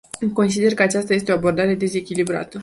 Consider că aceasta este o abordare dezechilibrată.